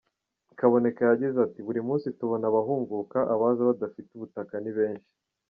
Kaboneka yagize ati “Buri munsi tubona abahunguka , abaza badafite ubutaka ni benshi.